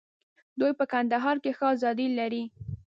دوی په کندهار کې ښه آزادي لري.